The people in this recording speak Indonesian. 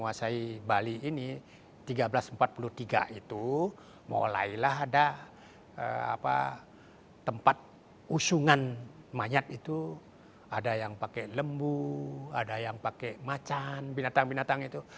usungan mayat itu ada yang pakai lembu ada yang pakai macan binatang binatang itu